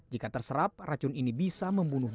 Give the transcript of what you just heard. jika terserap racun ini bisa membunuh